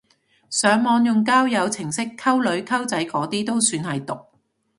上網用交友程式溝女溝仔嗰啲都算係毒！